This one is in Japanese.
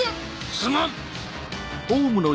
すまん！